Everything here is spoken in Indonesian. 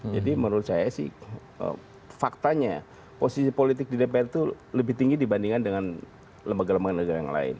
jadi menurut saya sih faktanya posisi politik di dpr itu lebih tinggi dibandingkan dengan lembaga lembaga negara yang lain